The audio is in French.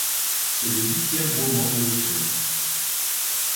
C'est le huitième roman de l'auteur.